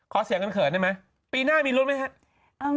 ขอเสียงเผินได้ไหมปีหน้ามีรุ่นไหม